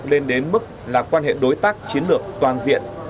lên đến mức là quan hệ đối tác chiến lược toàn diện